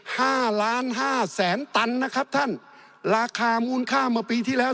ห้าล้านห้าแสนตันนะครับท่านราคามูลค่าเมื่อปีที่แล้ว